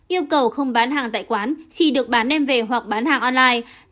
yêu cầu không bán hàng tại quán chỉ được bán em về hoặc bán hàng online